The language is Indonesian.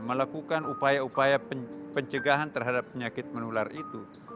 melakukan upaya upaya pencegahan terhadap penyakit menular itu